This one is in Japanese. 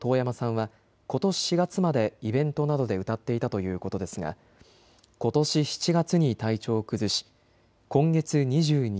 所属事務所によりますと遠山さんはことし４月までイベントなどで歌っていたということですがことし７月に体調を崩し